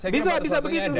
bisa bisa begitu